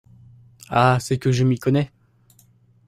Ah ! c’est que je m’y connais !…